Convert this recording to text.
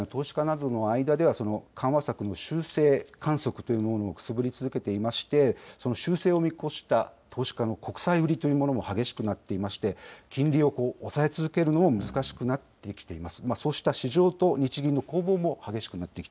海外の投資家などの間では、緩和策の修正観測というのもくすぶり続けていまして、修正を見越した投資家の国債売りというのも激しくなっていまして、金利を抑え続けるのも難しくなってきています。